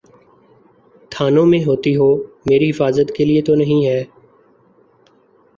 تھانوں میں ہوتی ہو، میری حفاظت کے لیے تو نہیں ہے۔